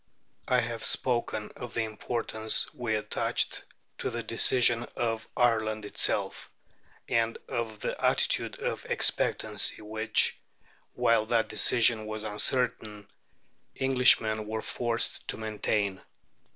I have spoken of the importance we attached to the decision of Ireland itself, and of the attitude of expectancy which, while that decision was uncertain, Englishmen were forced to maintain.